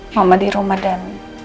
mama di rumah dan